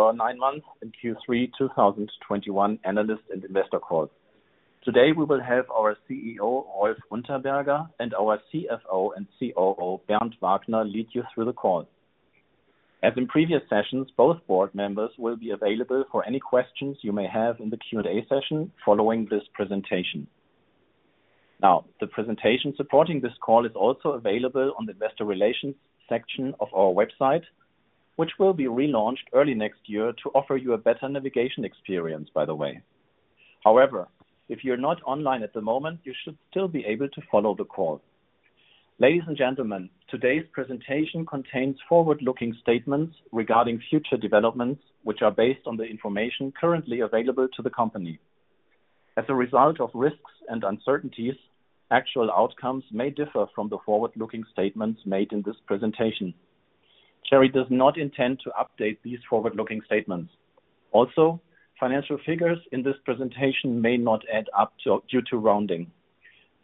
Our nine months and Q3 2021 analyst and investor call. Today, we will have our CEO, Rolf Unterberger, and our CFO and COO, Bernd Wagner, lead you through the call. As in previous sessions, both board members will be available for any questions you may have in the Q&A session following this presentation. Now, the presentation supporting this call is also available on the investor relations section of our website, which will be relaunched early next year to offer you a better navigation experience, by the way. However, if you're not online at the moment, you should still be able to follow the call. Ladies and gentlemen, today's presentation contains forward-looking statements regarding future developments, which are based on the information currently available to the company. As a result of risks and uncertainties, actual outcomes may differ from the forward-looking statements made in this presentation. Cherry does not intend to update these forward-looking statements. Also, financial figures in this presentation may not add up due to rounding.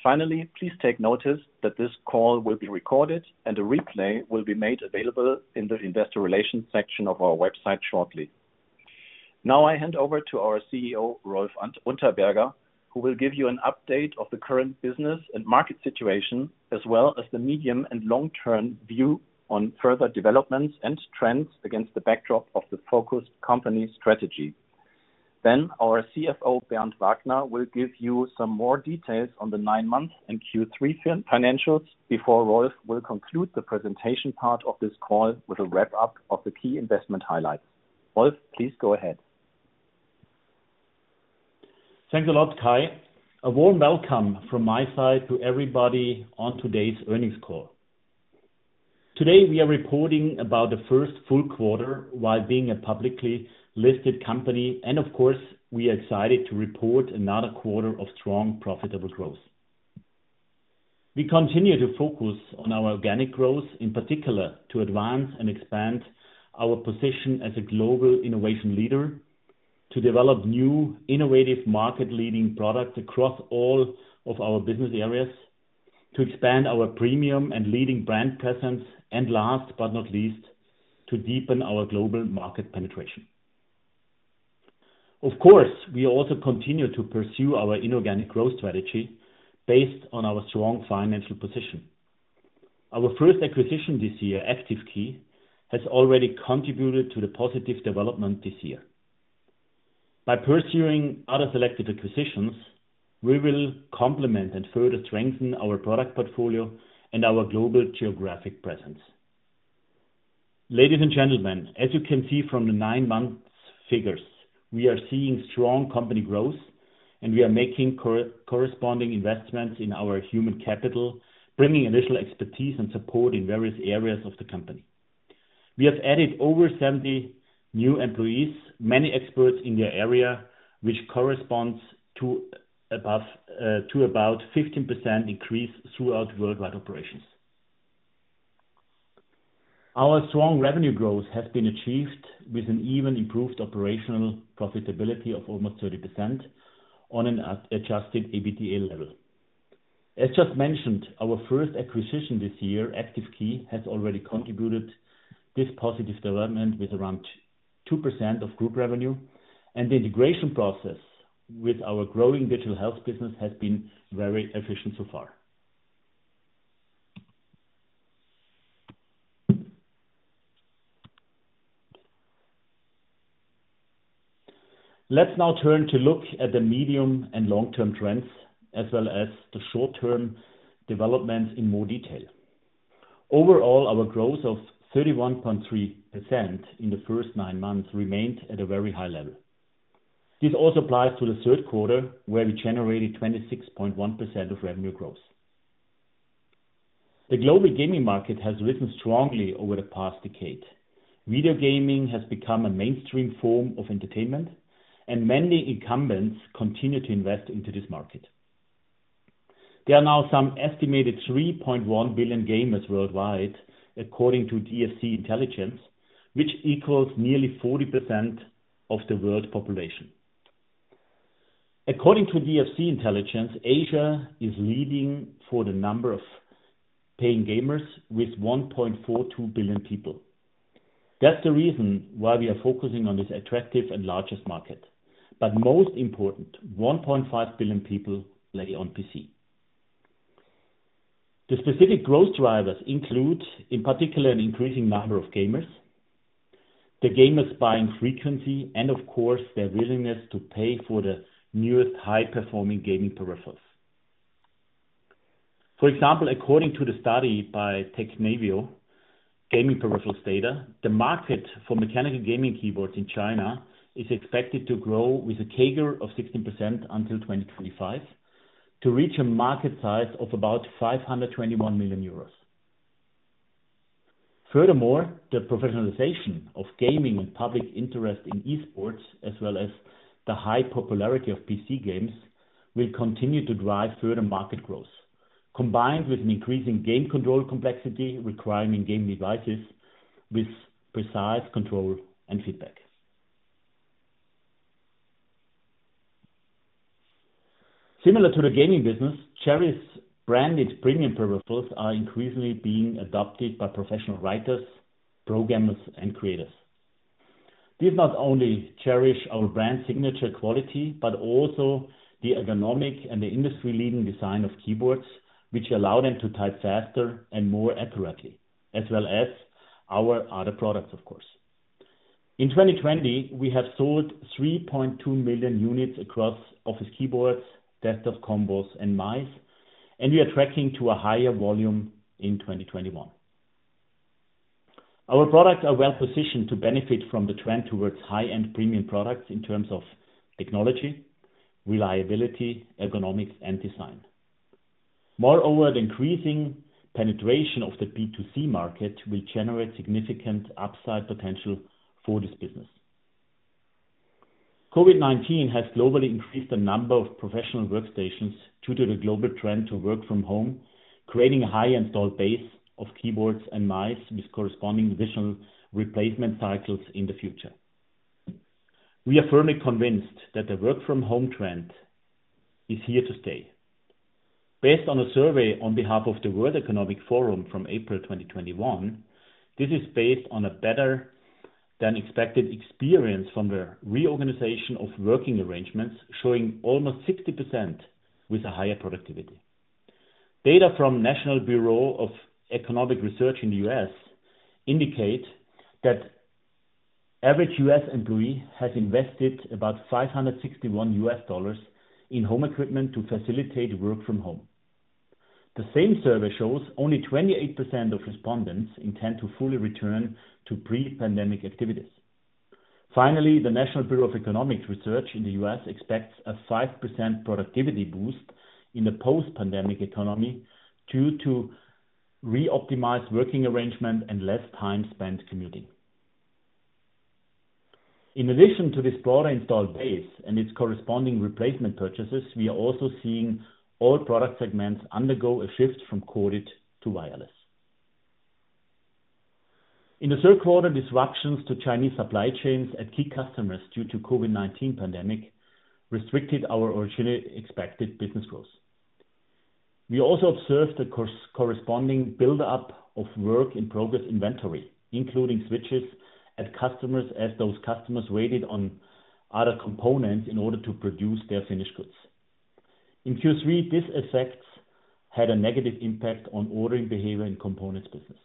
Finally, please take notice that this call will be recorded and a replay will be made available in the investor relations section of our website shortly. Now I hand over to our CEO, Rolf Unterberger, who will give you an update of the current business and market situation, as well as the medium and long-term view on further developments and trends against the backdrop of the focused company strategy. Then our CFO, Bernd Wagner, will give you some more details on the nine-month and Q3 financials before Rolf will conclude the presentation part of this call with a wrap up of the key investment highlights. Rolf, please go ahead. Thanks a lot, Kai. A warm welcome from my side to everybody on today's earnings call. Today, we are reporting about the first full quarter while being a publicly listed company, and of course, we are excited to report another quarter of strong profitable growth. We continue to focus on our organic growth, in particular, to advance and expand our position as a global innovation leader, to develop new innovative market leading products across all of our business areas, to expand our premium and leading brand presence, and last but not least, to deepen our global market penetration. Of course, we also continue to pursue our inorganic growth strategy based on our strong financial position. Our first acquisition this year, ActiveKey, has already contributed to the positive development this year. By pursuing other selected acquisitions, we will complement and further strengthen our product portfolio and our global geographic presence. Ladies and gentlemen, as you can see from the nine months figures, we are seeing strong company growth, and we are making corresponding investments in our human capital, bringing additional expertise and support in various areas of the company. We have added over 70 new employees, many experts in their area, which corresponds to about 15% increase throughout worldwide operations. Our strong revenue growth has been achieved with an even improved operational profitability of almost 30% on an adjusted EBITDA level. As just mentioned, our first acquisition this year, ActiveKey, has already contributed this positive development with around 2% of group revenue, and the integration process with our growing digital health business has been very efficient so far. Let's now turn to look at the medium and long-term trends, as well as the short-term developments in more detail. Overall, our growth of 31.3% in the first nine months remained at a very high level. This also applies to the Q3, where we generated 26.1% of revenue growth. The global gaming market has risen strongly over the past decade. Video gaming has become a mainstream form of entertainment, and many incumbents continue to invest into this market. There are now some estimated 3.1 billion gamers worldwide, according to DFC Intelligence, which equals nearly 40% of the world population. According to DFC Intelligence, Asia is leading for the number of paying gamers with 1.42 billion people. That's the reason why we are focusing on this attractive and largest market. Most important, 1.5 billion people play on PC. The specific growth drivers include, in particular, an increasing number of gamers, the gamers' buying frequency, and of course, their willingness to pay for the newest high-performing gaming peripherals. For example, according to the study by Technavio gaming peripherals data, the market for mechanical gaming keyboards in China is expected to grow with a CAGR of 16% until 2025 to reach a market size of about 521 million euros. Furthermore, the professionalization of gaming and public interest in esports, as well as the high popularity of PC games, will continue to drive further market growth, combined with an increasing game control complexity requiring game devices with precise control and feedback. Similar to the gaming business, Cherry's branded premium peripherals are increasingly being adopted by professional writers, programmers, and creators. These not only cherish our brand signature quality, but also the ergonomic and the industry-leading design of keyboards, which allow them to type faster and more accurately, as well as our other products, of course. In 2020, we have sold 3.2 million units across office keyboards, desktop combos, and mice, and we are tracking to a higher volume in 2021. Our products are well-positioned to benefit from the trend towards high-end premium products in terms of technology, reliability, ergonomics, and design. Moreover, the increasing penetration of the B2C market will generate significant upside potential for this business. COVID-19 has globally increased the number of professional workstations due to the global trend to work from home, creating a high installed base of keyboards and mice with corresponding additional replacement cycles in the future. We are firmly convinced that the work from home trend is here to stay. Based on a survey on behalf of the World Economic Forum from April 2021, this is based on a better-than-expected experience from the reorganization of working arrangements, showing almost 60% with a higher productivity. Data from National Bureau of Economic Research in the U.S. indicate that average U.S. employee has invested about $561 in home equipment to facilitate work from home. The same survey shows only 28% of respondents intend to fully return to pre-pandemic activities. Finally, the National Bureau of Economic Research in the U.S. expects a 5% productivity boost in the post-pandemic economy due to reoptimized working arrangement and less time spent commuting. In addition to this broader installed base and its corresponding replacement purchases, we are also seeing all product segments undergo a shift from corded to wireless. In the Q3, disruptions to Chinese supply chains and key customers due to COVID-19 pandemic restricted our originally expected business growth. We also observed a corresponding build-up of work in progress inventory, including switches at customers as those customers waited on other components in order to produce their finished goods. In Q3, this effect had a negative impact on ordering behavior and components business.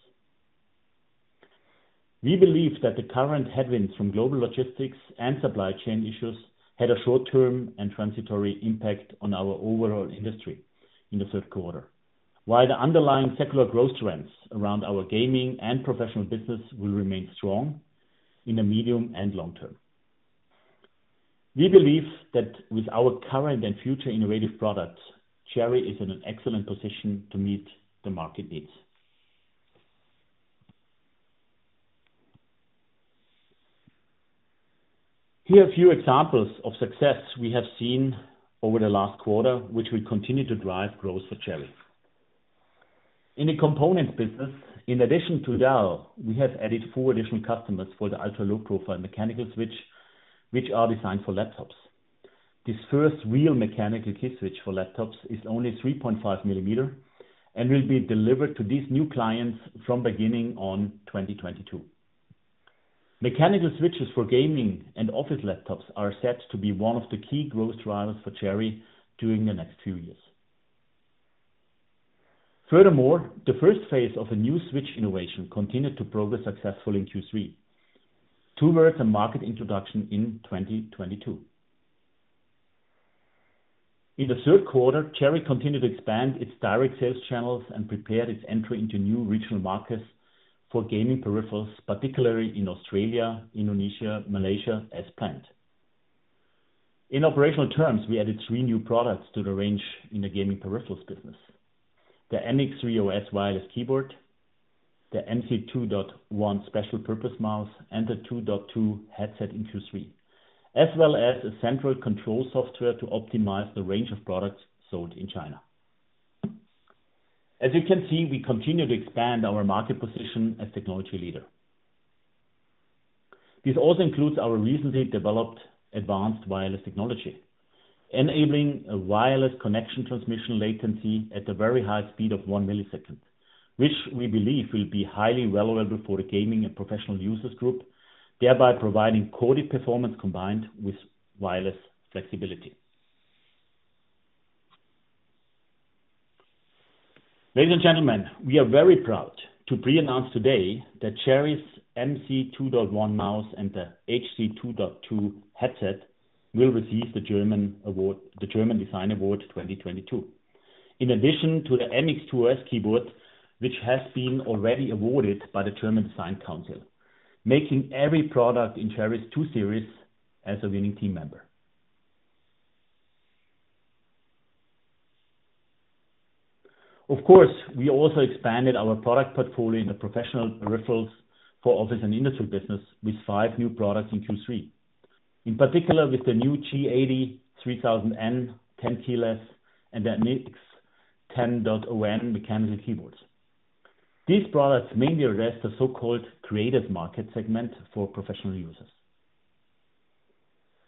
We believe that the current headwinds from global logistics and supply chain issues had a short term and transitory impact on our overall industry in the Q3, while the underlying secular growth trends around our gaming and professional business will remain strong in the medium and long term. We believe that with our current and future innovative products, Cherry is in an excellent position to meet the market needs. Here are a few examples of success we have seen over the last quarter, which will continue to drive growth for Cherry. In the components business, in addition to Dell, we have added 4 additional customers for the ultra-low profile mechanical switch, which are designed for laptops. This first real mechanical key switch for laptops is only 3.5 millimeters and will be delivered to these new clients from beginning on 2022. Mechanical switches for gaming and office laptops are set to be one of the key growth drivers for Cherry during the next few years. Furthermore, the first phase of a new switch innovation continued to progress successfully in Q3 towards a market introduction in 2022. In the Q3, Cherry continued to expand its direct sales channels and prepared its entry into new regional markets for gaming peripherals, particularly in Australia, Indonesia, Malaysia as planned. In operational terms, we added 3 new products to the range in the gaming peripherals business. The MX 3.0S Wireless keyboard, the MC 2.1 special purpose mouse, and the HC 2.2 headset in Q3, as well as a central control software to optimize the range of products sold in China. As you can see, we continue to expand our market position as technology leader. This also includes our recently developed advanced wireless technology, enabling a wireless connection transmission latency at a very high speed of 1 millisecond, which we believe will be highly relevant for the gaming and professional users group, thereby providing coded performance combined with wireless flexibility. Ladies and gentlemen, we are very proud to pre-announce today that Cherry's MC 2.1 mouse and the HC 2.2 headset will receive the German Design Award 2022. In addition to the MX 2.0S keyboard, which has been already awarded by the German Design Council, making every product in Cherry's two series as a winning team member. Of course, we also expanded our product portfolio in the professional peripherals for office and industry business with 5 new products in Q3, in particular with the new G80-3000N tenkeyless and the MX 10.0N mechanical keyboards. These products mainly address the so-called creative market segment for professional users.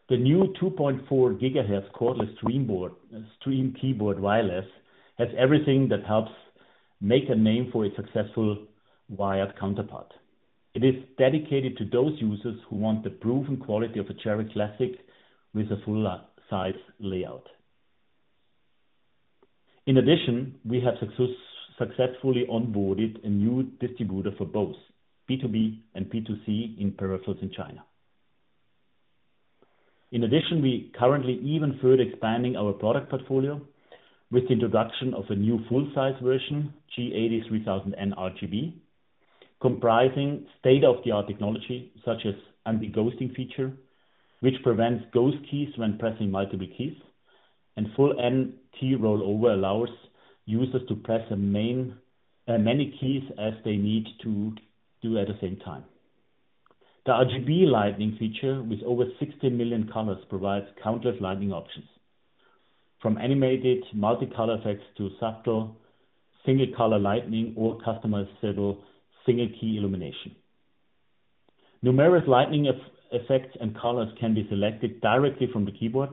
The new 2.4 GHz cordless STREAM KEYBOARD WIRELESS has everything that helps make a name for a successful wired counterpart. It is dedicated to those users who want the proven quality of a Cherry classic with a full-size layout. In addition, we have successfully onboarded a new distributor for both B2B and B2C in peripherals in China. In addition, we currently even further expanding our product portfolio with the introduction of a new full-size version, G80-3000N RGB, comprising state-of-the-art technology such as anti-ghosting feature, which prevents ghost keys when pressing multiple keys. Full N-key rollover allows users to press many keys as they need to do at the same time. The RGB lighting feature with over 60 million colors provides countless lighting options, from animated multi-color effects to subtle single color lighting or customizable single key illumination. Numerous lighting effects and colors can be selected directly from the keyboard.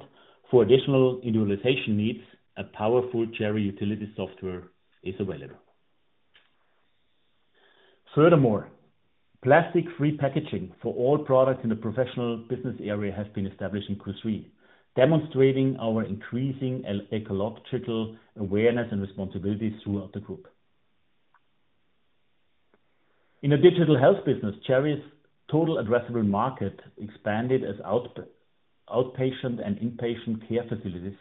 For additional individualization needs, a powerful Cherry utility software is available. Furthermore, plastic-free packaging for all products in the professional business area has been established in Q3, demonstrating our increasing ecological awareness and responsibilities throughout the group. In the digital health business, Cherry's total addressable market expanded as outpatient and inpatient care facilities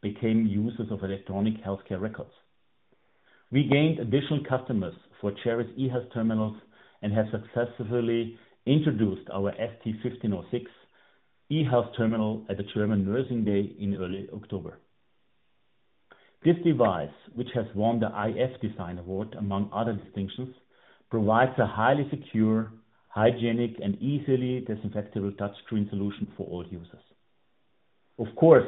became users of electronic healthcare records. We gained additional customers for Cherry's eHealth terminals and have successfully introduced our ST-1506 eHealth terminal at the German Nursing Day in early October. This device, which has won the iF Design Award, among other distinctions, provides a highly secure, hygienic, and easily disinfectable touchscreen solution for all users. Of course,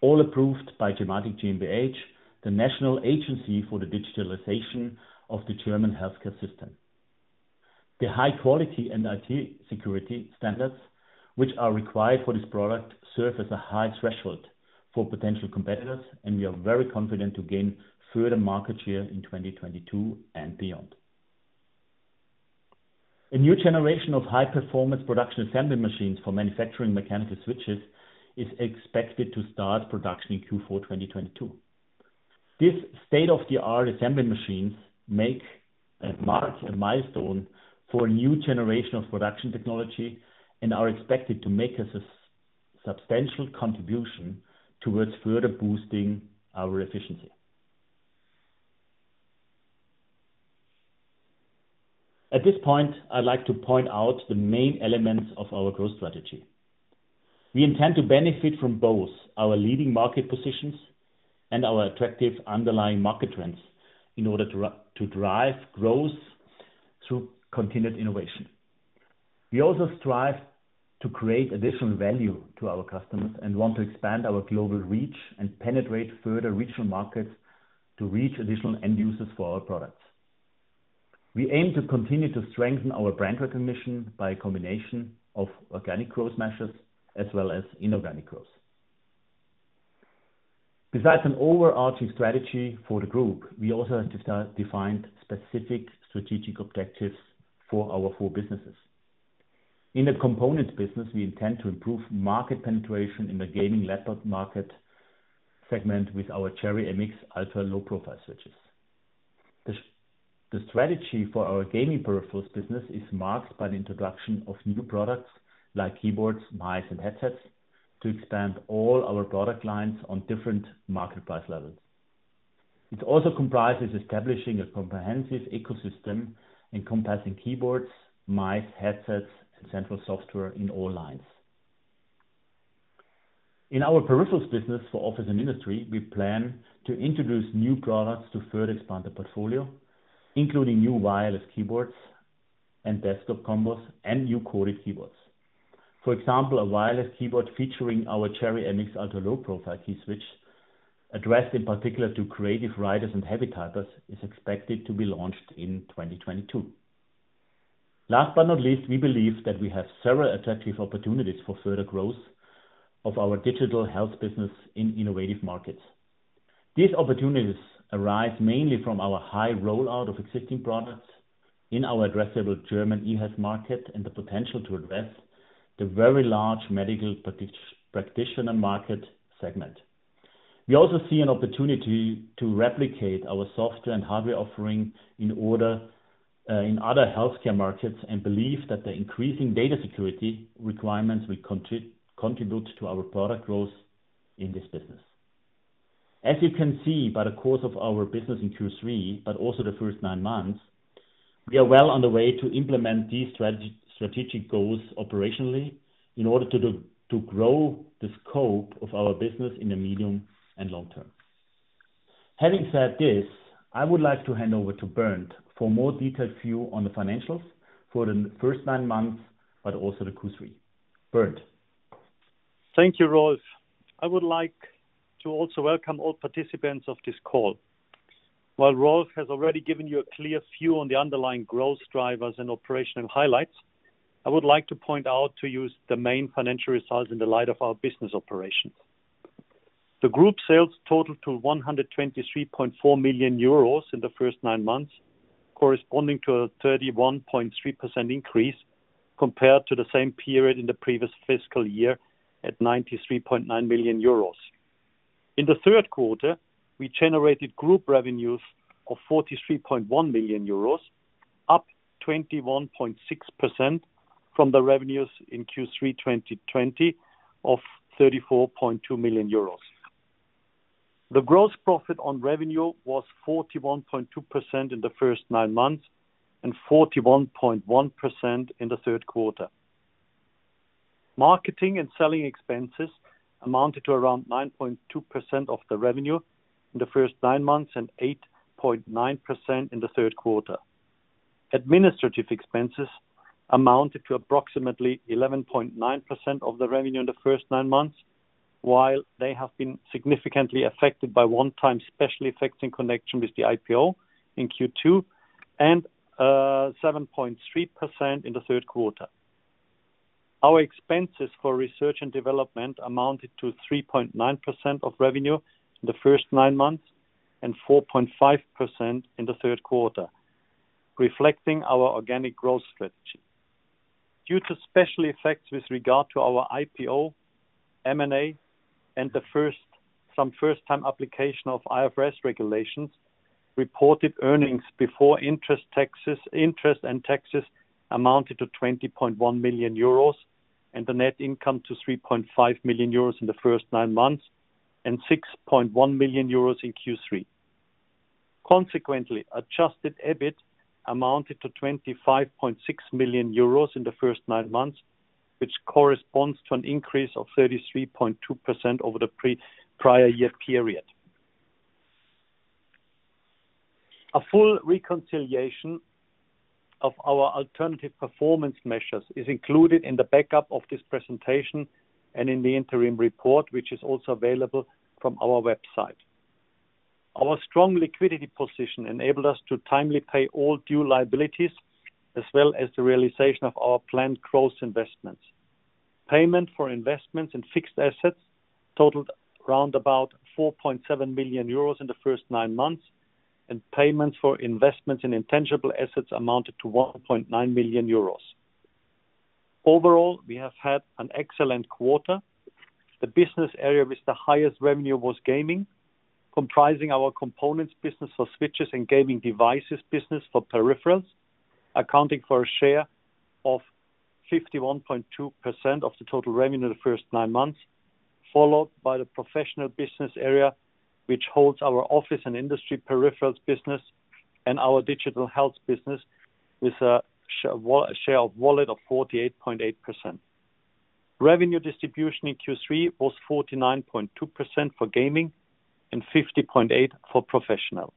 all approved by gematik GmbH, the national agency for the digitalization of the German healthcare system. The high quality and IT security standards which are required for this product serve as a high threshold for potential competitors, and we are very confident to gain further market share in 2022 and beyond. A new generation of high-performance production assembly machines for manufacturing mechanical switches is expected to start production in Q4 2022. This state-of-the-art assembly machines mark a milestone for a new generation of production technology and are expected to make a substantial contribution towards further boosting our efficiency. At this point, I'd like to point out the main elements of our growth strategy. We intend to benefit from both our leading market positions and our attractive underlying market trends in order to drive growth through continued innovation. We also strive to create additional value to our customers and want to expand our global reach and penetrate further regional markets to reach additional end users for our products. We aim to continue to strengthen our brand recognition by a combination of organic growth measures as well as inorganic growth. Besides an overarching strategy for the group, we also have defined specific strategic objectives for our four businesses. In the components business, we intend to improve market penetration in the gaming laptop market segment with our Cherry MX Ultra-Low Profile switches. The strategy for our gaming peripherals business is marked by the introduction of new products like keyboards, mice, and headsets to expand all our product lines on different market price levels. It also comprises establishing a comprehensive ecosystem encompassing keyboards, mice, headsets, and central software in all lines. In our peripherals business for office and industry, we plan to introduce new products to further expand the portfolio, including new wireless keyboards and desktop combos and new corded keyboards. For example, a wireless keyboard featuring our Cherry MX Ultra-Low Profile key switch, addressed in particular to creative writers and heavy typers, is expected to be launched in 2022. Last but not least, we believe that we have several attractive opportunities for further growth of our digital health business in innovative markets. These opportunities arise mainly from our high rollout of existing products in our addressable German eHealth market and the potential to address the very large medical practitioner market segment. We also see an opportunity to replicate our software and hardware offering in other healthcare markets and believe that the increasing data security requirements will contribute to our product growth in this business. As you can see by the course of our business in Q3, but also the first nine months, we are well on the way to implement these strategic goals operationally in order to grow the scope of our business in the medium and long term. Having said this, I would like to hand over to Bernd for a more detailed view on the financials for the first nine months, but also the Q3. Bernd? Thank you, Rolf. I would like to also welcome all participants of this call. While Rolf has already given you a clear view on the underlying growth drivers and operational highlights, I would like to point out to you the main financial results in the light of our business operations. The group sales totaled to 123.4 million euros in the first nine months, corresponding to a 31.3% increase compared to the same period in the previous fiscal year at 93.9 million euros. In the Q3, we generated group revenues of 43.1 million euros, up 21.6% from the revenues in Q3 2020 of 34.2 million euros. The gross profit on revenue was 41.2% in the first nine months and 41.1% in the Q3. Marketing and selling expenses amounted to around 9.2% of the revenue in the first nine months and 8.9% in the Q3. Administrative expenses amounted to approximately 11.9% of the revenue in the first nine months, while they have been significantly affected by one-time special effects in connection with the IPO in Q2 and seven point three percent in the Q3. Our expenses for research and development amounted to 3.9% of revenue in the first nine months and 4.5% in the Q3, reflecting our organic growth strategy. Due to special effects with regard to our IPO, M&A, and some first-time application of IFRS regulations, reported earnings before interest and taxes amounted to 20.1 million euros and the net income to 3.5 million euros in the first 9 months and 6.1 million euros in Q3. Consequently, adjusted EBIT amounted to 25.6 million euros in the first 9 months, which corresponds to an increase of 33.2% over the prior year period. A full reconciliation of our alternative performance measures is included in the backup of this presentation and in the interim report, which is also available from our website. Our strong liquidity position enabled us to timely pay all due liabilities, as well as the realization of our planned growth investments. Payments for investments in fixed assets totaled around 4.7 million euros in the first nine months, and payments for investments in intangible assets amounted to 1.9 million euros. Overall, we have had an excellent quarter. The business area with the highest revenue was gaming, comprising our components business for switches and gaming devices business for peripherals, accounting for a share of 51.2% of the total revenue in the first nine months, followed by the professional business area, which holds our office and industry peripherals business and our digital health business with a share of 48.8%. Revenue distribution in Q3 was 49.2% for gaming and 50.8% for professional.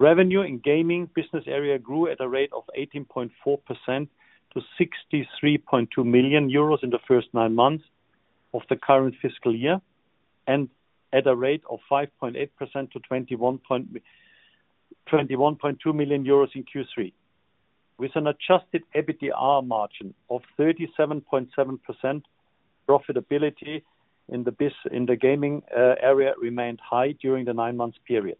Revenue in gaming business area grew at a rate of 18.4% to 63.2 million euros in the first nine months of the current fiscal year, and at a rate of 5.8% to 21.2 million euros in Q3. With an adjusted EBITDA margin of 37.7% profitability in the gaming area remained high during the nine-month period.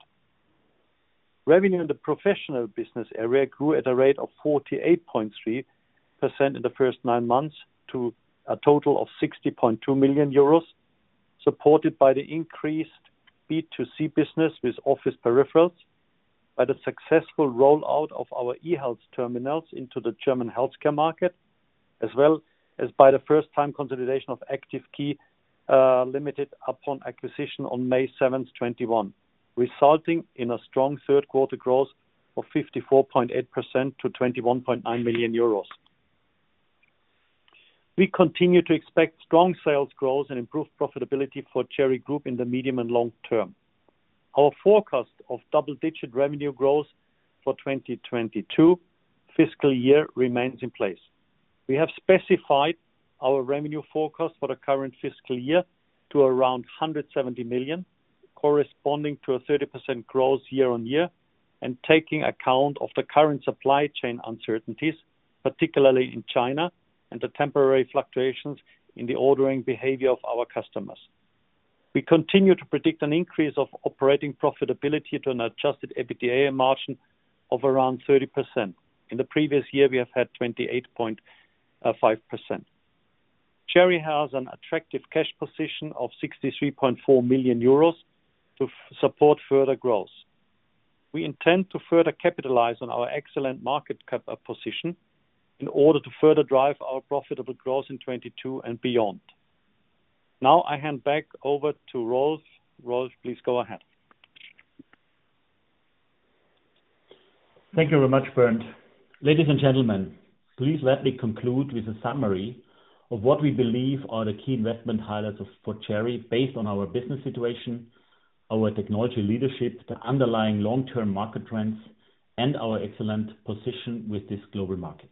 Revenue in the professional business area grew at a rate of 48.3% in the first nine months to a total of 60.2 million euros, supported by the increased B2C business with office peripherals by the successful rollout of our eHealth terminals into the German healthcare market, as well as by the first-time consolidation of Active Key upon acquisition on 7 May 2021, resulting in a strong Q3 growth of 54.8% to 21.9 million euros. We continue to expect strong sales growth and improved profitability for Cherry Group in the medium and long term. Our forecast of double-digit revenue growth for 2022 fiscal year remains in place. We have specified our revenue forecast for the current fiscal year to around 170 million, corresponding to a 30% growth year-on-year, and taking account of the current supply chain uncertainties, particularly in China, and the temporary fluctuations in the ordering behavior of our customers. We continue to predict an increase of operating profitability to an adjusted EBITDA margin of around 30%. In the previous year, we have had 28.5%. Cherry has an attractive cash position of 63.4 million euros to support further growth. We intend to further capitalize on our excellent market cap position in order to further drive our profitable growth in 2022 and beyond. Now I hand back over to Rolf. Rolf, please go ahead. Thank you very much, Bernd. Ladies and gentlemen, please let me conclude with a summary of what we believe are the key investment highlights for Cherry based on our business situation, our technology leadership, the underlying long-term market trends and our excellent position in this global market.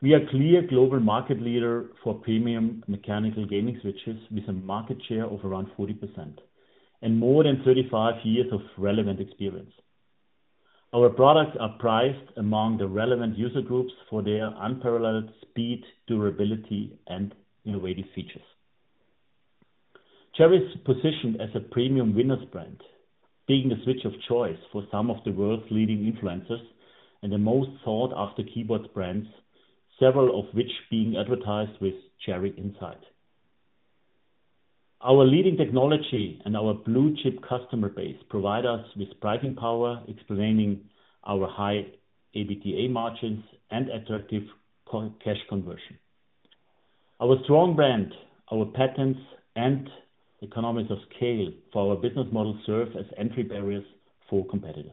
We are clear global market leader for premium mechanical gaming switches with a market share of around 40% and more than 35 years of relevant experience. Our products are prized among the relevant user groups for their unparalleled speed, durability, and innovative features. Cherry's positioned as a premium winners brand, being the switch of choice for some of the world's leading influencers and the most sought after keyboard brands, several of which being advertised with Cherry inside. Our leading technology and our blue chip customer base provide us with pricing power, explaining our high EBITDA margins and attractive cash conversion. Our strong brand, our patents and economies of scale for our business model serve as entry barriers for competitors.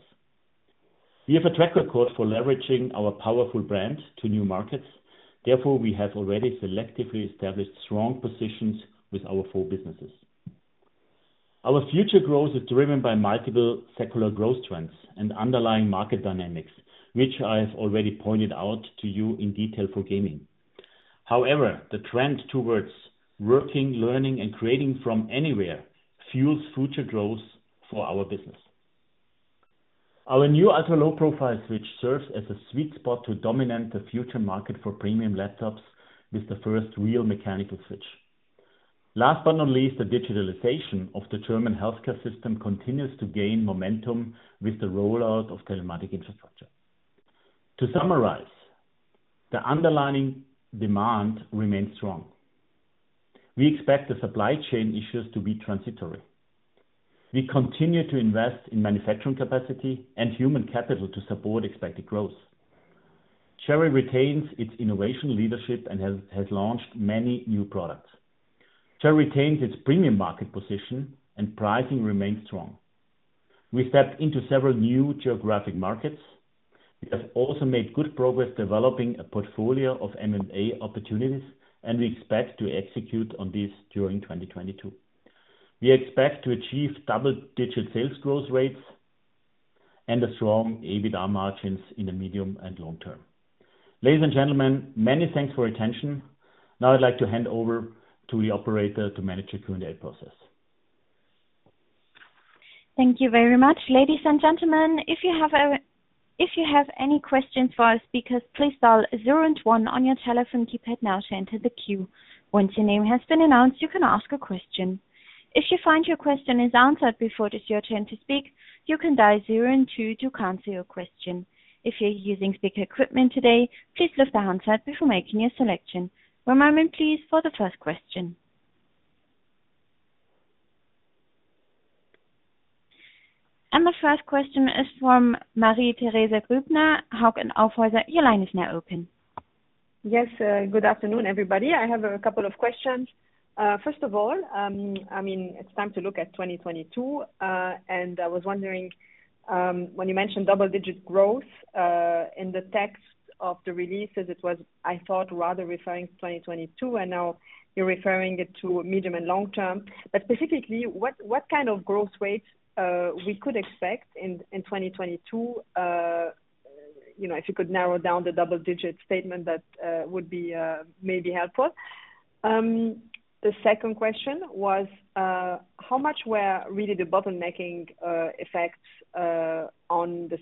We have a track record for leveraging our powerful brand to new markets. Therefore, we have already selectively established strong positions with our four businesses. Our future growth is driven by multiple secular growth trends and underlying market dynamics, which I have already pointed out to you in detail for gaming. However, the trend towards working, learning, and creating from anywhere fuels future growth for our business. Our new Ultra-Low Profile switch serves as a sweet spot to dominate the future market for premium laptops with the first real mechanical switch. Last but not least, the digitalization of the German healthcare system continues to gain momentum with the rollout of telematic infrastructure. To summarize, the underlying demand remains strong. We expect the supply chain issues to be transitory. We continue to invest in manufacturing capacity and human capital to support expected growth. Cherry retains its innovation leadership and has launched many new products. Cherry retains its premium market position and pricing remains strong. We stepped into several new geographic markets. We have also made good progress developing a portfolio of M&A opportunities, and we expect to execute on this during 2022. We expect to achieve double-digit sales growth rates and a strong EBITDA margins in the medium and long term. Ladies and gentlemen, many thanks for your attention. Now I'd like to hand over to the operator to manage the Q&A process. Thank you very much. Ladies and gentlemen, if you have any questions for our speakers, please dial zero and one on your telephone keypad now to enter the queue. Once your name has been announced, you can ask a question. If you find your question is answered before it is your turn to speak, you can dial zero and two to cancel your question. If you're using speaker equipment today, please lift the handset before making your selection. One moment, please, for the first question. The first question is from Marie-Thérèse Grübner. Hauck & Aufhäuser, your line is now open. Yes, good afternoon, everybody. I have a couple of questions. First of all, I mean, it's time to look at 2022, and I was wondering, when you mentioned double-digit growth, in the text of the release as it was, I thought rather referring to 2022 and now you're referring it to medium and long-term. Specifically, what kind of growth rates we could expect in 2022? You know, if you could narrow down the double-digit statement, that would be maybe helpful. The second question was, how much were really the bottlenecking effects on the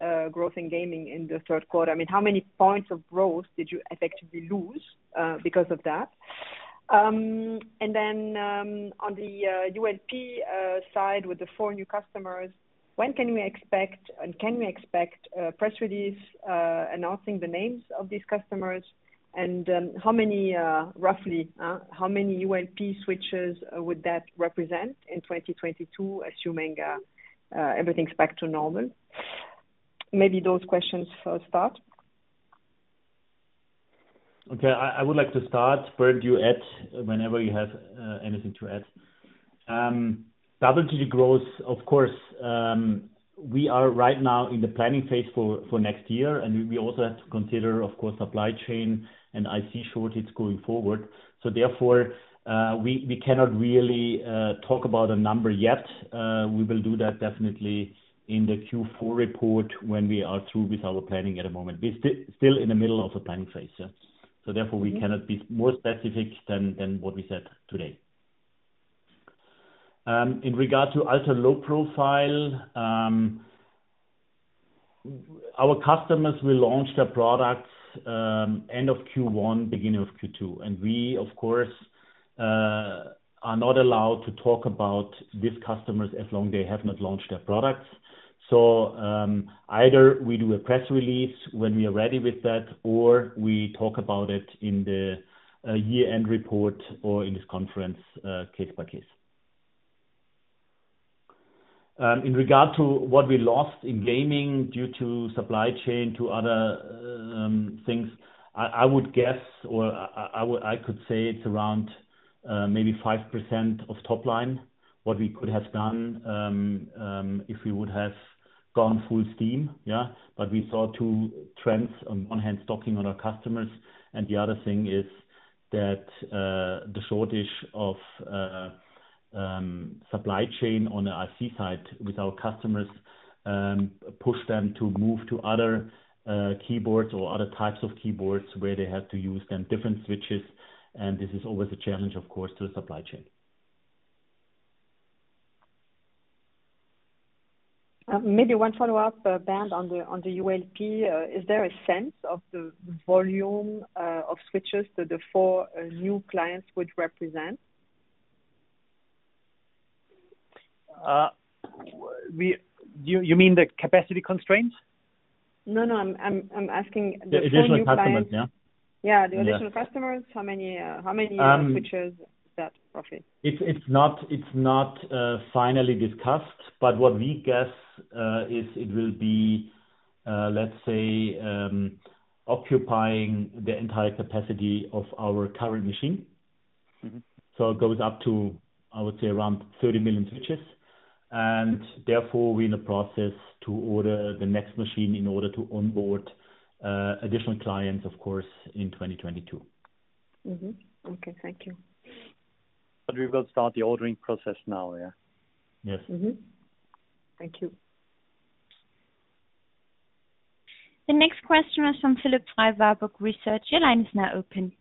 6% growth in gaming in the Q3? I mean, how many points of growth did you effectively lose because of that? On the ULP side with the four new customers, when can we expect and can we expect a press release announcing the names of these customers? How many roughly ULP switches would that represent in 2022, assuming everything's back to normal? Maybe those questions for start. Okay. I would like to start. Bernd, you add whenever you have anything to add. Double-digit growth, of course, we are right now in the planning phase for next year, and we also have to consider, of course, supply chain and IC shortage going forward. We cannot really talk about a number yet. We will do that definitely in the Q4 report when we are through with our planning at the moment. We're still in the middle of the planning phase, yeah. We cannot be more specific than what we said today. In regard to ultra low profile, our customers will launch their products end of Q1, beginning of Q2. We, of course, are not allowed to talk about these customers as long as they have not launched their products. Either we do a press release when we are ready with that, or we talk about it in the year-end report or in this conference, case by case. In regard to what we lost in gaming due to supply chain to other things, I would guess or I could say it's around, maybe 5% of top line, what we could have done, if we would have gone full steam, yeah. We saw two trends. On one hand, stock out on our customers, and the other thing is the shortage in the supply chain on the IC side with our customers, pushed them to move to other keyboards or other types of keyboards where they had to use then different switches, and this is always a challenge, of course, to the supply chain. Maybe one follow-up, Bernd, on the ULP. Is there a sense of the volume of switches that the 4 new clients would represent? Do you mean the capacity constraints? No, no. I'm asking the four new clients. The additional customers, yeah. Yeah. The additional customers. How many new switches that profit? It's not finally discussed, but what we guess is it will be, let's say, occupying the entire capacity of our current machine. It goes up to, I would say, around 30 million switches. Therefore, we're in the process to order the next machine in order to onboard additional clients, of course, in 2022. Okay. Thank you. We will start the ordering process now, yeah. Yes. Thank you. The next question is from Philipp Frey, Baader Helvea. Your line is now open.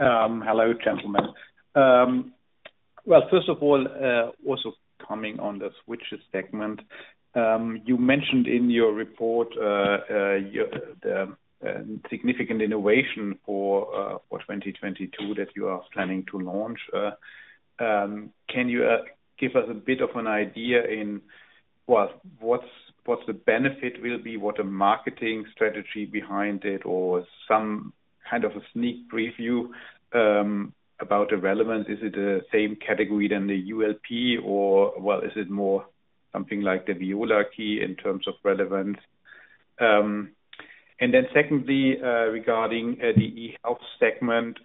Hello, gentlemen. Well, first of all, also coming on the switches segment. You mentioned in your report the significant innovation for 2022 that you are planning to launch. Can you give us a bit of an idea, well, what's the benefit will be? What's the marketing strategy behind it or some kind of a sneak preview about the relevance? Is it the same category than the ULP or, well, is it more something like the Viola key in terms of relevance? Secondly, regarding the eHealth segment,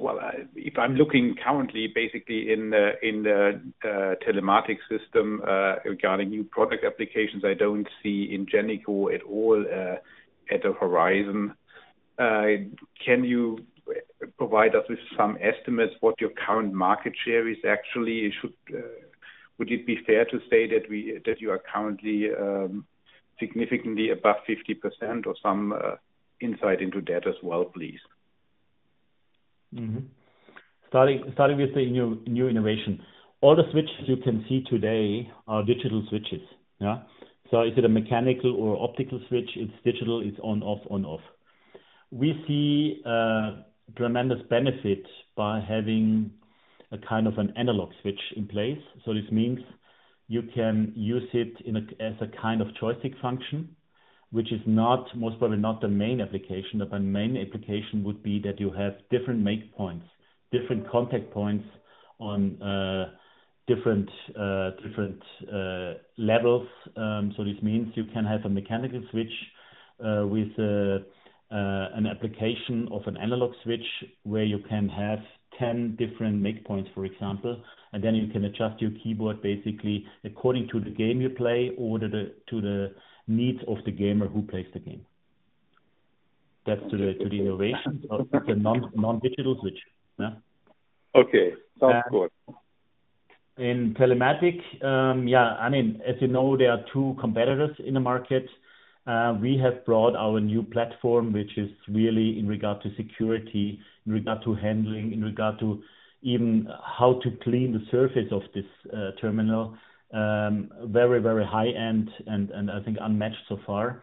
well, if I'm looking currently basically in the telematics system regarding new product applications, I don't see Ingenico at all on the horizon. Can you provide us with some estimates what your current market share is actually? Would it be fair to say that you are currently significantly above 50% or some insight into that as well, please? Starting with the new innovation. All the switches you can see today are digital switches. Yeah? Is it a mechanical or optical switch? It's digital, it's on/off, on/off. We see a tremendous benefit by having a kind of an analog switch in place. This means you can use it as a kind of joystick function, which is most probably not the main application. The main application would be that you have different make points, different contact points on different levels. This means you can have a mechanical switch with an application of an analog switch where you can have 10 different make points, for example. Then you can adjust your keyboard basically according to the game you play or to the needs of the gamer who plays the game. That's to the innovations of the non-digital switch. Yeah. Okay. Sounds good. In telematics. I mean, as you know, there are two competitors in the market. We have brought our new platform, which is really in regard to security, in regard to handling, in regard to even how to clean the surface of this terminal, very, very high end and I think unmatched so far.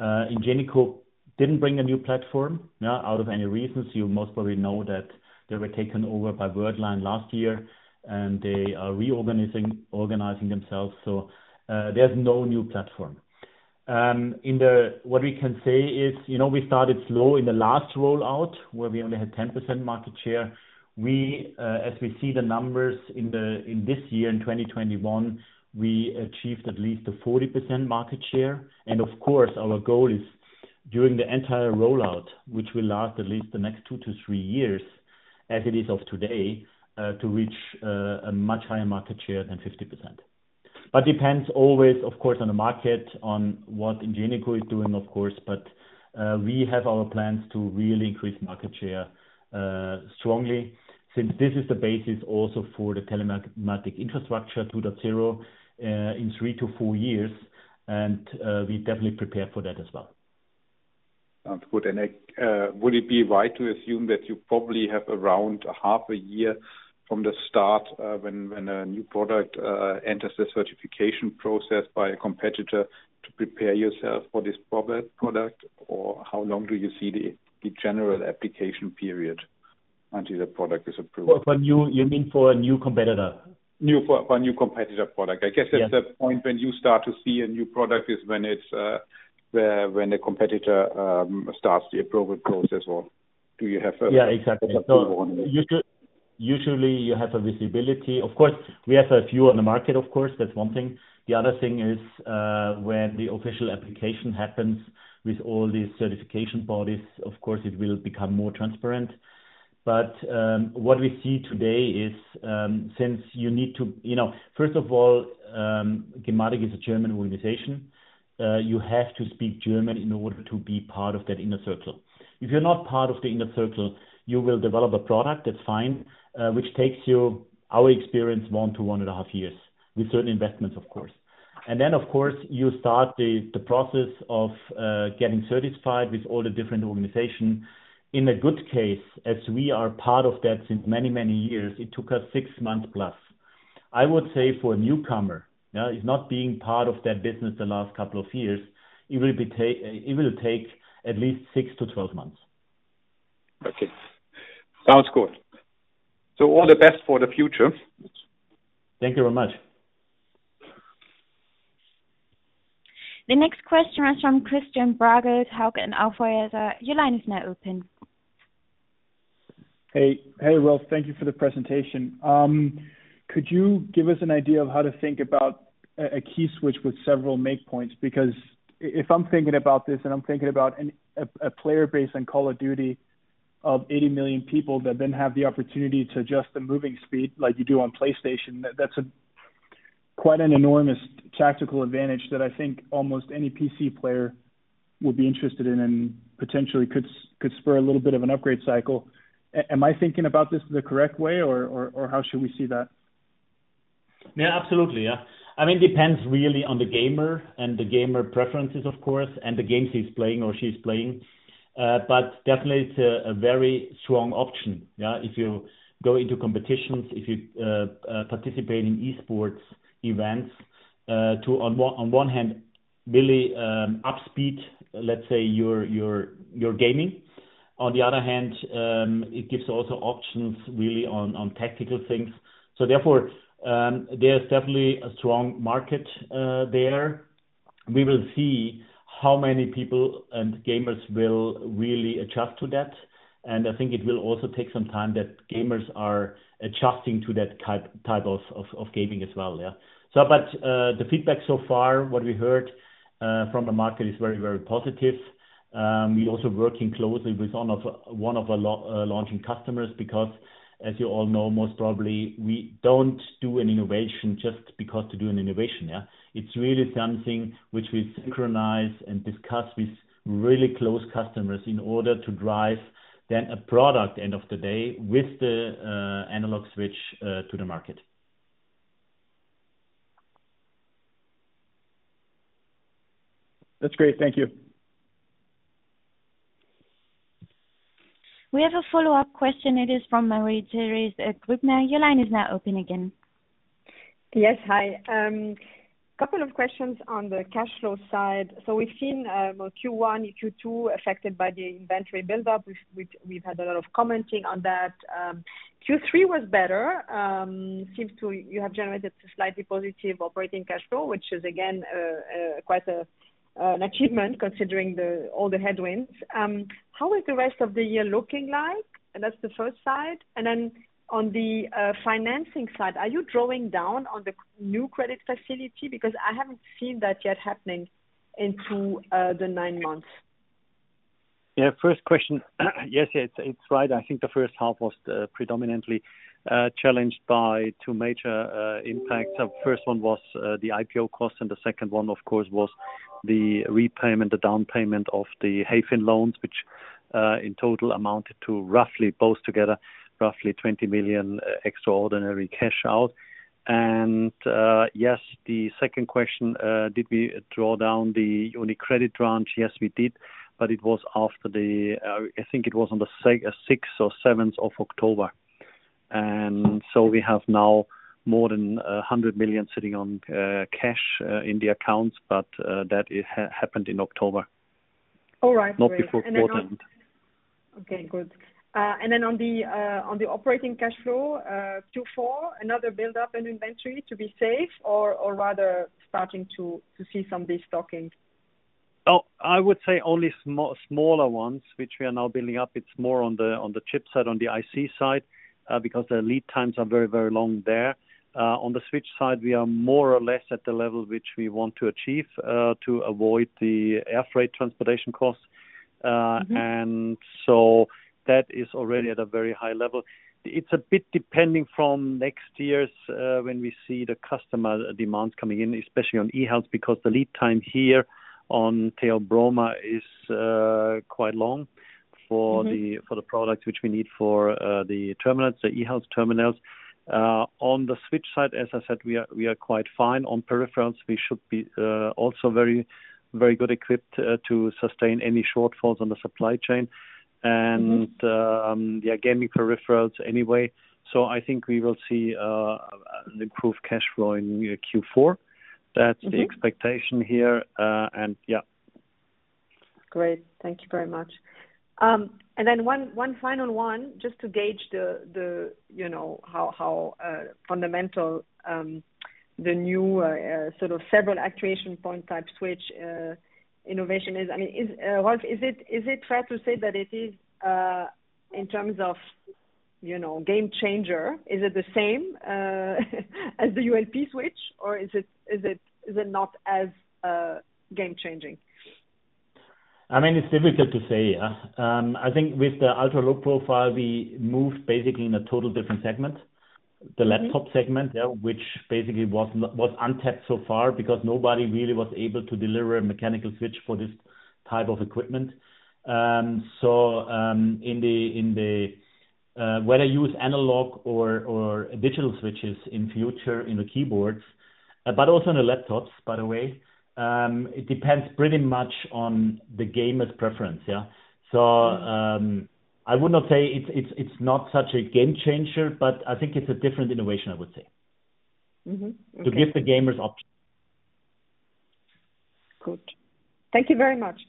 Ingenico didn't bring a new platform out of any reasons. You most probably know that they were taken over by Worldline last year, and they are reorganizing themselves. There's no new platform. What we can say is, you know, we started slow in the last rollout, where we only had 10% market share. We, as we see the numbers in this year, in 2021, we achieved at least a 40% market share. Our goal is during the entire rollout, which will last at least the next 2 to 3 years, as it is today, to reach a much higher market share than 50%. It depends always, of course, on the market, on what Ingenico is doing, of course. We have our plans to really increase market share strongly since this is the basis also for the telematic infrastructure 2.0 in 3 to 4 years. We definitely prepare for that as well. Sounds good. Would it be right to assume that you probably have around half a year from the start, when a new product enters the certification process by a competitor to prepare yourself for this product? Or how long do you see the general application period until the product is approved? You mean for a new competitor? For a new competitor product. Yeah. I guess that's the point when you start to see a new product is when the competitor starts the approval process or do you have a- Yeah, exactly. Approval on this. Usually, you have a visibility. Of course, we have a few on the market, of course. That's one thing. The other thing is, when the official application happens with all these certification bodies, of course it will become more transparent. But what we see today is since you need to. You know, first of all, Gematik is a German organization. You have to speak German in order to be part of that inner circle. If you're not part of the inner circle, you will develop a product, that's fine, which takes you, our experience, 1 to 1.5 years, with certain investments, of course. Then, of course, you start the process of getting certified with all the different organizations. In a good case, as we are part of that since many years, it took us 6 months plus. I would say for a newcomer, yeah, is not being part of that business the last couple of years, it will take at least 6-12 months. Okay. Sounds good. All the best for the future. Thank you very much. The next question is from Christian Bragett, Hauck & Aufhäuser. Your line is now open. Hey. Hey, Rolf. Thank you for the presentation. Could you give us an idea of how to think about a key switch with several make points? Because if I'm thinking about this and I'm thinking about a player base on Call of Duty of 80 million people that then have the opportunity to adjust the moving speed like you do on PlayStation, that's quite an enormous tactical advantage that I think almost any PC player would be interested in and potentially could spur a little bit of an upgrade cycle. Am I thinking about this the correct way or how should we see that? Yeah, absolutely. Yeah. I mean, it depends really on the gamer and gamer preferences, of course, and the games he's playing or she's playing. But definitely it's a very strong option. Yeah. If you go into competitions, if you participate in e-sports events, too, on one hand, really up speed, let's say your gaming. On the other hand, it gives also options really on tactical things. Therefore, there's definitely a strong market there. We will see how many people and gamers will really adjust to that. And I think it will also take some time that gamers are adjusting to that type of gaming as well. Yeah. But the feedback so far, what we heard from the market is very positive. We're also working closely with one of our launching customers because as you all know, most probably, we don't do an innovation just because to do an innovation, yeah. It's really something which we synchronize and discuss with really close customers in order to drive then a product end of the day with the analog switch to the market. That's great. Thank you. We have a follow-up question. It is from Marie-Thérèse Grübner. Your line is now open again. Yes. Hi. Couple of questions on the cash flow side. We've seen Q1 and Q2 affected by the inventory build-up. We've had a lot of commenting on that. Q3 was better. Seems you have generated slightly positive operating cash flow, which is again quite an achievement considering all the headwinds. How is the rest of the year looking like? That's the first side. On the financing side, are you drawing down on the new credit facility? Because I haven't seen that yet happening into the nine months. Yeah, first question. Yes, it's right. I think the H1 was predominantly challenged by two major impacts. First one was the IPO cost, and the second one, of course, was the repayment, the down payment of the Hayfin loans, which in total amounted to roughly both together, roughly 20 million extraordinary cash out. Yes, the second question, did we draw down the UniCredit tranche? Yes, we did. It was after the, I think it was on the sixth or seventh of October. We have now more than 100 million sitting on cash in the accounts, but that it happened in October. All right. Not before quarter end. Okay, good. On the operating cash flow, Q4, another build-up in inventory to be safe or rather starting to see some destocking? Oh, I would say only smaller ones, which we are now building up. It's more on the chip side, on the IC side, because the lead times are very, very long there. On the switch side, we are more or less at the level which we want to achieve, to avoid the air freight transportation costs. That is already at a very high level. It's a bit depending on next year when we see the customer demand coming in, especially on eHealth, because the lead time here on Tail Broma is quite long for the- For the products which we need for the terminals, the eHealth terminals. On the switch side, as I said, we are quite fine. On peripherals, we should be also very well equipped to sustain any shortfalls on the supply chain. Yeah, gaming peripherals anyway. I think we will see an improved cash flow in Q4. That's the expectation here. Yeah. Great. Thank you very much. One final one, just to gauge the, you know, how fundamental the new sort of several actuation point type switch innovation is. I mean, Rolf, is it fair to say that it is in terms of, you know, game changer, is it the same as the ULP switch, or is it not as game-changing? I mean, it's difficult to say, yeah. I think with the Ultra-Low Profile, we moved basically in a total different segment, the laptop segment, yeah, which basically was untapped so far because nobody really was able to deliver a mechanical switch for this type of equipment. Whether you use analog or digital switches in future in the keyboards, but also in the laptops, by the way, it depends pretty much on the gamer's preference, yeah? I would not say it's not such a game changer, but I think it's a different innovation, I would say. Okay. To give the gamers options. Good. Thank you very much.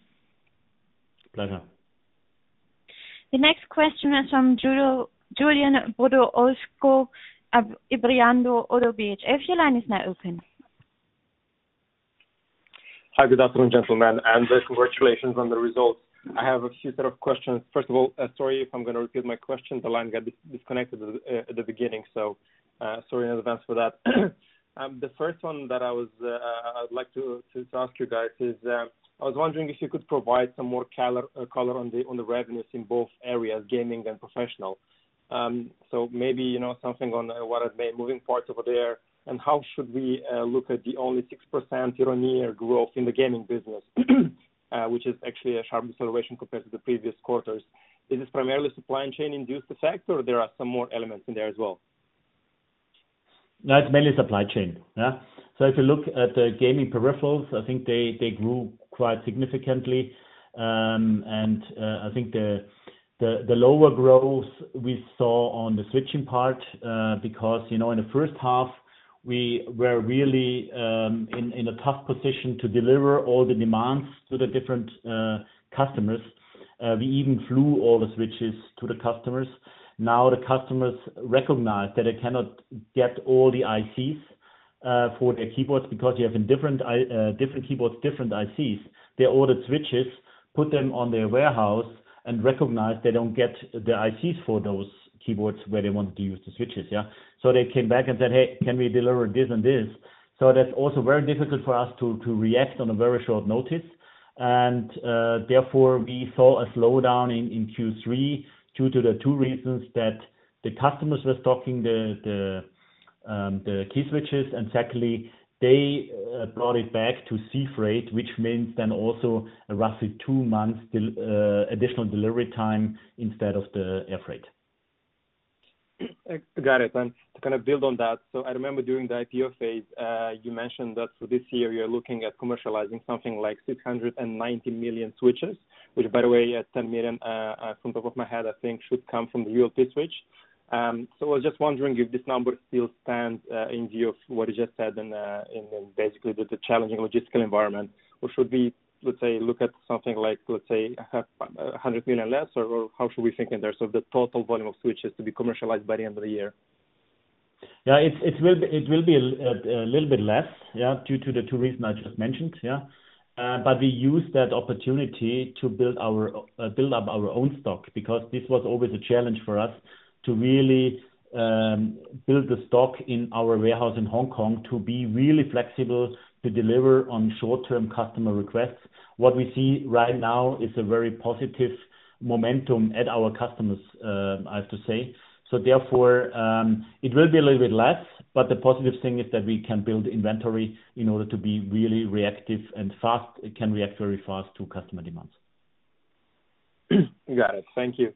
Pleasure. The next question is from Julian Boudoire of Bryan, Garnier & Co. Your line is now open. Hi, good afternoon, gentlemen, and congratulations on the results. I have a few set of questions. First of all, sorry if I'm gonna repeat my question. The line got disconnected at the beginning. So, sorry in advance for that. The first one that I was, I'd like to ask you guys is, I was wondering if you could provide some more color on the revenues in both areas, gaming and professional. So maybe, you know, something on what have been moving parts over there, and how should we look at the only 6% year-on-year growth in the gaming business, which is actually a sharp deceleration compared to the previous quarters. Is this primarily supply chain induced effect, or there are some more elements in there as well? That's mainly supply chain. Yeah. If you look at the gaming peripherals, I think they grew quite significantly. I think the lower growth we saw on the switching part because, you know, in the H1 we were really in a tough position to deliver all the demands to the different customers. We even flew all the switches to the customers. Now the customers recognize that they cannot get all the ICs for their keyboards because you have in different keyboards, different ICs. They ordered switches, put them in their warehouse and recognized they don't get the ICs for those keyboards where they wanted to use the switches, yeah? They came back and said, "Hey, can we deliver this and this?" That's also very difficult for us to react on a very short notice. Therefore we saw a slowdown in Q3 due to the two reasons that the customers were stocking the key switches. Secondly, they brought it back to sea freight, which means then also roughly 2 months additional delivery time instead of the air freight. Got it. To kind of build on that, I remember during the IPO phase, you mentioned that for this year you're looking at commercializing something like 690 million switches, which by the way, 10 million, from top of my head, I think should come from the ULP switch. I was just wondering if this number still stands, in view of what you just said and basically the challenging logistical environment. Should we, let's say, look at something like, let's say, 100 million less, or how should we think in there? The total volume of switches to be commercialized by the end of the year. It will be a little bit less due to the two reasons I just mentioned. But we use that opportunity to build up our own stock, because this was always a challenge for us to really build the stock in our warehouse in Hong Kong to be really flexible to deliver on short-term customer requests. What we see right now is a very positive momentum at our customers, I have to say. Therefore, it will be a little bit less, but the positive thing is that we can build inventory in order to be really reactive and fast. It can react very fast to customer demands. Got it. Thank you.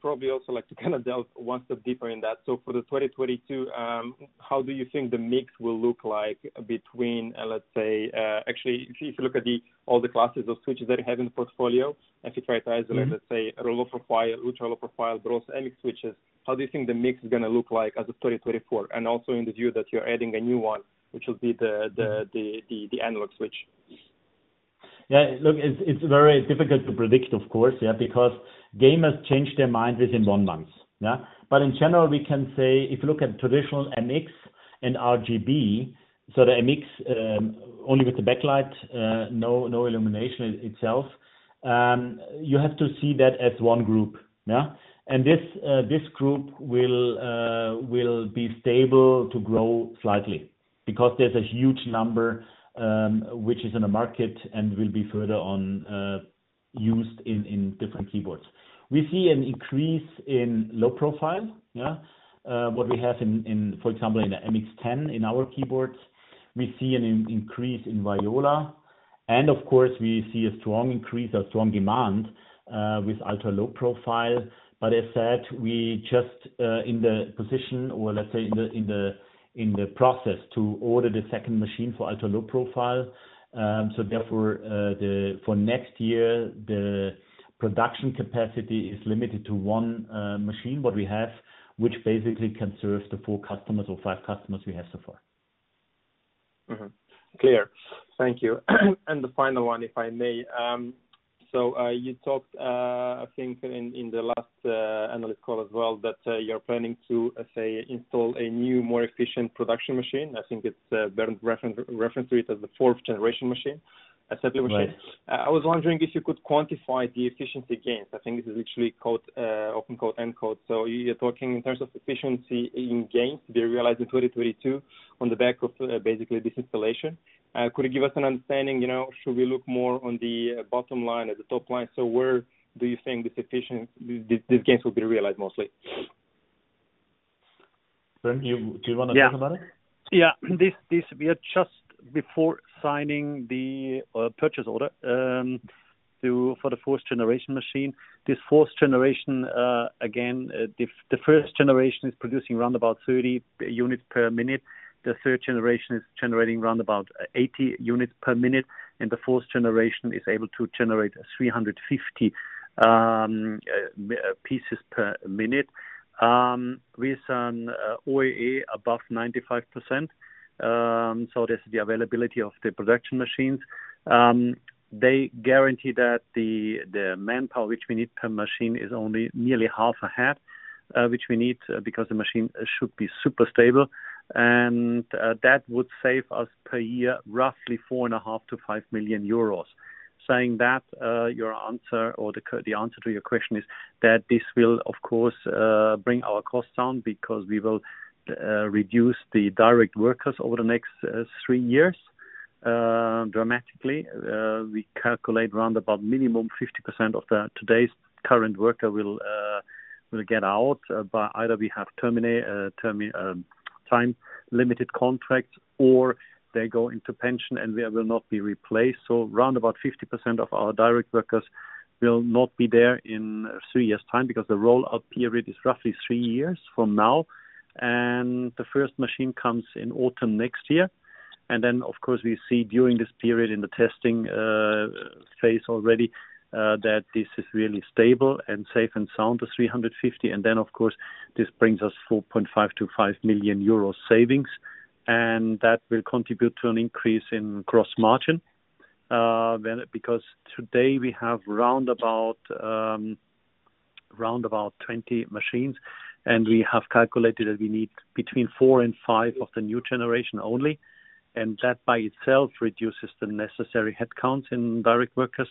Probably also like to kind of delve one step deeper in that. For the 2022, how do you think the mix will look like between, let's say, actually if you look at all the classes of switches that you have in the portfolio and prioritize them, let's say low profile, ultra low profile, but also MX switches, how do you think the mix is gonna look like as of 2024? Also in the view that you're adding a new one, which will be the analog switch. Yeah, look, it's very difficult to predict, of course, yeah, because gamers change their minds within one month. In general, we can say if you look at traditional MX and RGB, so the MX only with the backlight, no illumination itself, you have to see that as one group. This group will be stable to grow slightly because there's a huge number which is in the market and will be further on used in different keyboards. We see an increase in low-profile. What we have in, for example, in the MX 10 in our keyboards, we see an increase in Viola, and of course, we see a strong increase or strong demand with ultra-low profile. As said, we're just in the position or let's say in the process to order the second machine for Ultra-Low Profile. Therefore, for next year, the production capacity is limited to one machine that we have, which basically can serve the four customers or five customers we have so far. Clear. Thank you. The final one, if I may. You talked, I think in the last analyst call as well, that you're planning to, let's say, install a new, more efficient production machine. I think it's Bernd referenced to it as the fourth generation machine. I said Right. I was wondering if you could quantify the efficiency gains. I think this is actually quote-unquote. You're talking in terms of efficiency gains to be realized in 2022 on the back of basically this installation. Could you give us an understanding, you know, should we look more on the bottom line or the top line? Where do you think these gains will be realized mostly? Bernd Wagner, do you wanna talk about it? We are just before signing the purchase order for the fourth generation machine. This fourth generation again the first generation is producing round about 30 units per minute. The third generation is generating round about 80 units per minute, and the fourth generation is able to generate 350 pieces per minute with an OEE above 95%. This is the availability of the production machines. They guarantee that the manpower which we need per machine is only nearly half of that which we need because the machine should be super stable. That would save us per year roughly 4.5 to 5 million. Saying that, your answer or the answer to your question is that this will of course, bring our costs down because we will, reduce the direct workers over the next, 3 years, dramatically. We calculate round about minimum 50% of today's current workers will get out, by either we have time limited contracts, or they go into pension and they will not be replaced. Round about 50% of our direct workers will not be there in 3 years time because the roll-out period is roughly 3 years from now, and the first machine comes in autumn next year. Of course, we see during this period in the testing phase already, that this is really stable and safe and sound to 350. This brings us 4.5 to 5 million savings, and that will contribute to an increase in gross margin, when because today we have round about 20 machines, and we have calculated that we need between 4 and 5 of the new generation only, and that by itself reduces the necessary headcounts in direct workers.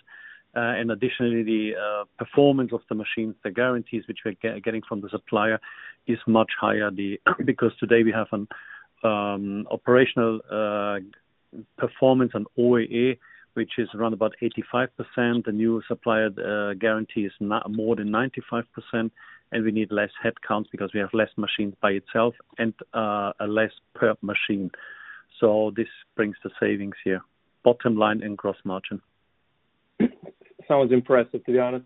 Additionally, the performance of the machines, the guarantees which we're getting from the supplier is much higher the because today we have an operational performance on OEE, which is round about 85%. The new supplier guarantee is more than 95%, and we need less headcounts because we have less machines by itself and a less per machine. This brings the savings here, bottom line in gross margin. Sounds impressive, to be honest.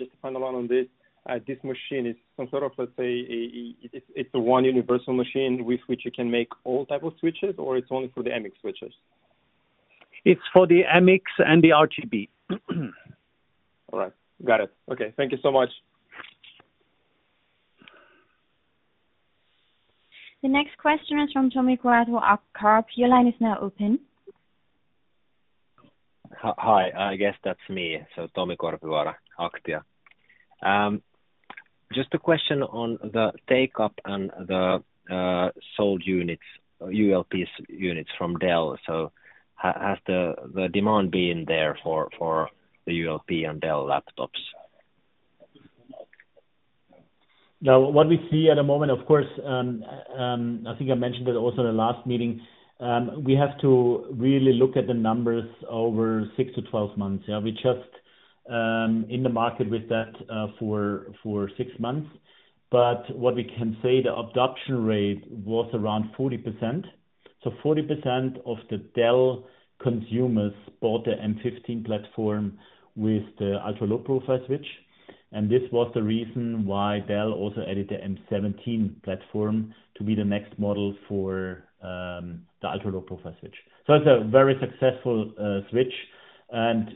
Just to follow on this machine is some sort of, let's say, a universal machine with which you can make all types of switches or it's only for the MX switches? It's for the MX and the RGB. All right. Got it. Okay. Thank you so much. The next question is from Tomi Korpivaara at Carnegie. Your line is now open. Hi. I guess that's me. Tomi Korpivaara, Aktia. Just a question on the take-up and the sold units, ULP units from Dell. Has the demand been there for the ULP and Dell laptops? Now what we see at the moment, of course, I think I mentioned it also in the last meeting, we have to really look at the numbers over 6 to 12 months. Yeah, we've just been in the market with that for 6 months. What we can say, the adoption rate was around 40%. 40% of the Dell consumers bought the M15 platform with the ultra-low-profile switch. This was the reason why Dell also added the M17 platform to be the next model for the ultra-low-profile switch. It's a very successful switch and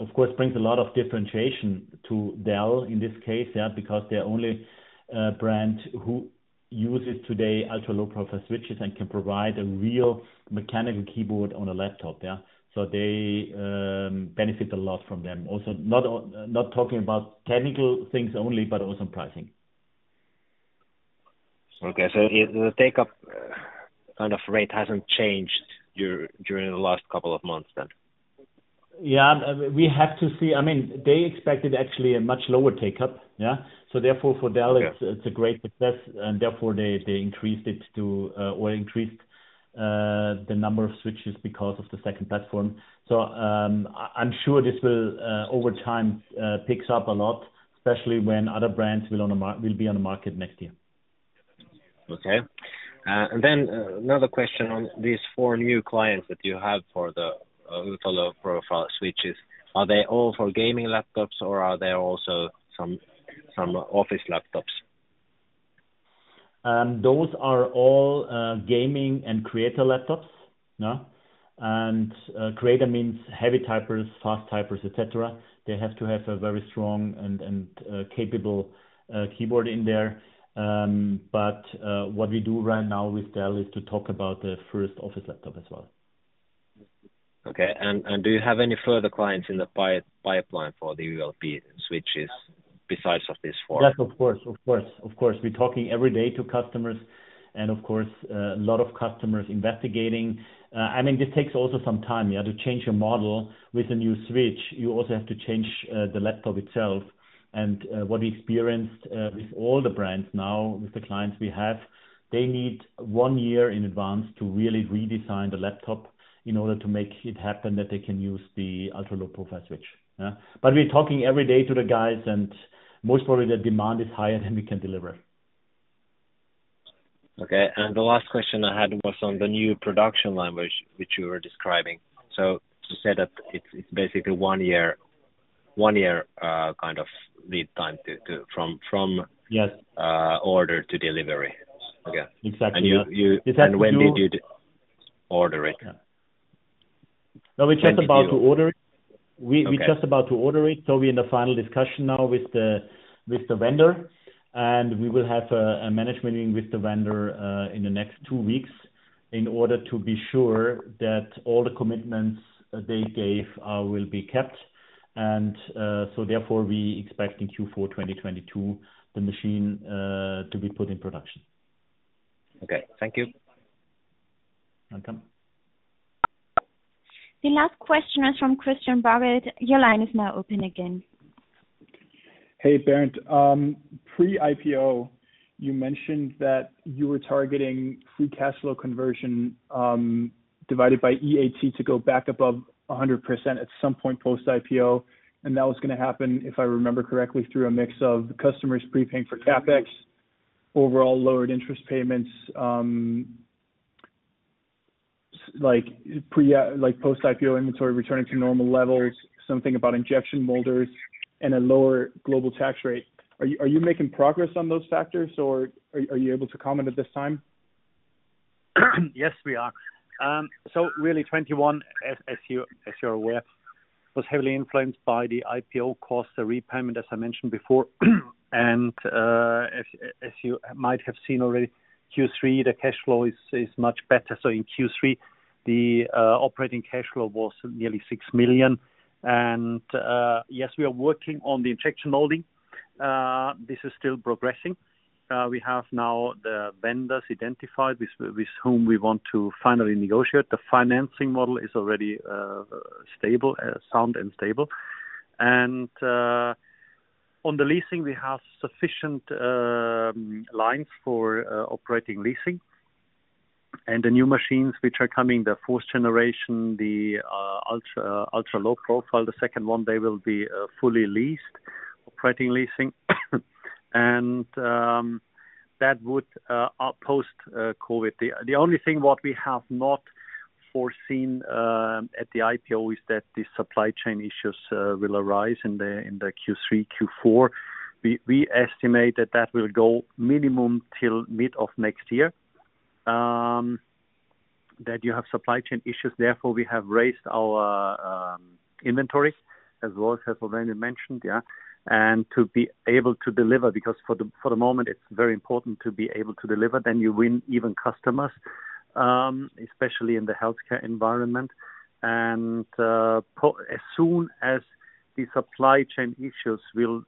of course brings a lot of differentiation to Dell in this case, yeah, because they're the only brand who uses today ultra-low-profile switches and can provide a real mechanical keyboard on a laptop, yeah. They benefit a lot from them. Also, not talking about technical things only, but also pricing. Okay. The take-up kind of rate hasn't changed during the last couple of months then? Yeah. We have to see. I mean, they expected actually a much lower take-up, yeah. Therefore, for Dell- Yeah. It's a great success, and therefore they increased the number of switches because of the second platform. I'm sure this will over time picks up a lot, especially when other brands will be on the market next year. Okay. Another question on these 4 new clients that you have for the ultra-low-profile switches. Are they all for gaming laptops or are there also some office laptops? Those are all gaming and creator laptops. Yeah. Creator means heavy typers, fast typers, et cetera. They have to have a very strong and capable keyboard in there. What we do right now with Dell is to talk about the first office laptop as well. Okay. Do you have any further clients in the pipeline for the ULP switches besides these four? Yes, of course. We're talking every day to customers and of course, a lot of customers investigating. I mean, this takes also some time, yeah, to change your model with a new switch. You also have to change the laptop itself. What we experienced with all the brands now, with the clients we have, they need one year in advance to really redesign the laptop in order to make it happen that they can use the Ultra-Low-Profile switch. Yeah. We're talking every day to the guys, and most probably the demand is higher than we can deliver. Okay. The last question I had was on the new production language which you were describing. You said that it's basically one year kind of lead time to from Yes. Order to delivery. Okay. Exactly, yeah. You Exactly, we will. When did you order it? No, we're just about to order it. Okay. We're just about to order it. We're in the final discussion now with the vendor, and we will have a management meeting with the vendor in the next two weeks in order to be sure that all the commitments they gave will be kept. Therefore, we expect in Q4 2022 the machine to be put in production. Okay. Thank you. Welcome. The last question is from Christian Bragett. Your line is now open again. Hey, Bernd. Pre-IPO, you mentioned that you were targeting free cash flow conversion divided by EAT to go back above 100% at some point post-IPO, and that was gonna happen, if I remember correctly, through a mix of customers prepaying for CapEx, overall lowered interest payments, like post-IPO inventory returning to normal levels, something about injection molders and a lower global tax rate. Are you making progress on those factors, or are you able to comment at this time? Yes, we are. Really 2021, as you're aware, was heavily influenced by the IPO costs, the repayment, as I mentioned before. As you might have seen already, Q3, the cash flow is much better. In Q3, the operating cash flow was nearly 6 million. Yes, we are working on the injection molding. This is still progressing. We have now the vendors identified with whom we want to finally negotiate. The financing model is already stable, sound and stable. On the leasing, we have sufficient lines for operating leasing. The new machines which are coming, the fourth generation, the ultra-low profile, the second one, they will be fully leased, operating leasing. That would outlast COVID. The only thing what we have not foreseen at the IPO is that the supply chain issues will arise in the Q3, Q4. We estimate that will go minimum till mid of next year, that you have supply chain issues, therefore, we have raised our inventory, as well as has already mentioned. To be able to deliver, because for the moment, it's very important to be able to deliver, then you win even customers, especially in the healthcare environment. As soon as the supply chain issues will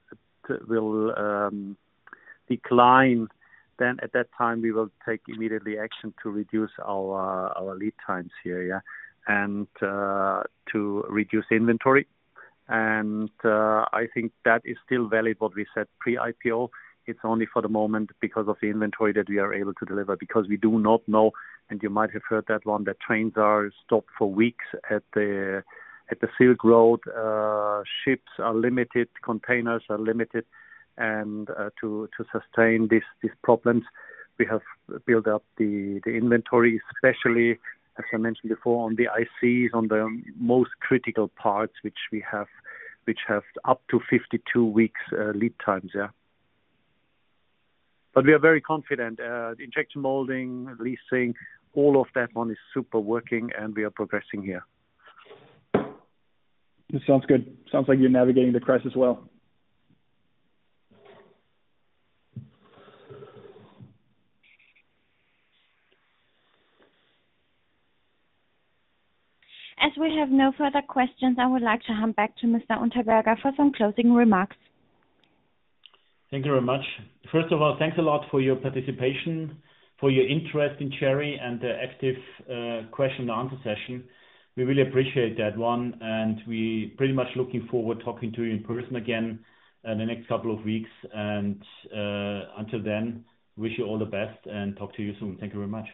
decline, then at that time, we will take immediately action to reduce our lead times here. To reduce inventory. I think that is still valid, what we said pre-IPO. It's only for the moment because of the inventory that we are able to deliver. We do not know, and you might have heard that one, that trains are stopped for weeks at the Silk Road. Ships are limited, containers are limited. To sustain these problems, we have built up the inventory, especially, as I mentioned before, on the ICs, on the most critical parts which have up to 52 weeks lead times. We are very confident. The injection molding, leasing, all of that one is super working, and we are progressing here. It sounds good. Sounds like you're navigating the crisis well. As we have no further questions, I would like to hand back to Mr. Unterberger for some closing remarks. Thank you very much. First of all, thanks a lot for your participation, for your interest in Cherry, and the active question and answer session. We really appreciate that one, and we pretty much looking forward talking to you in person again in the next couple of weeks. Until then, wish you all the best, and talk to you soon. Thank you very much.